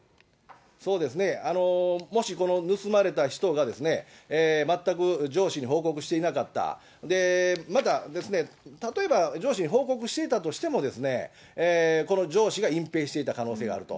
そうですね、もしこの盗まれた人が、全く上司に報告していなかった、また、例えば上司に報告していたとしても、この上司が隠蔽していた可能性があると。